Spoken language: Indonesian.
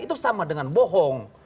itu sama dengan bohong